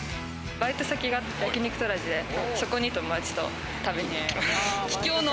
バイト先が焼肉トラジでそこに友達と食べに行きます。